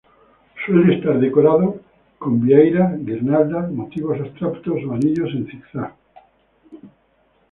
Suele estar decorado con vieiras, guirnaldas, motivos abstractos o anillos en zigzag.